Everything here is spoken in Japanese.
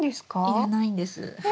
要らないんです。